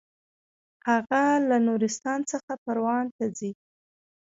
هغه له نورستان څخه پروان ته ځي.